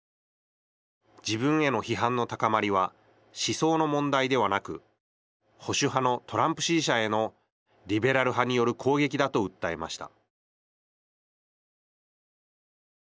自分への批判の高まりは思想の問題ではなく保守派のトランプ支持者へのリベラル派による攻撃だと訴えました。